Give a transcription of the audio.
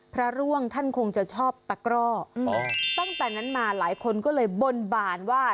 พระร่วงท่านคงจะชอบตะกร่อตั้งแต่นั้นมาหลายคนก็เลยบนบานว่า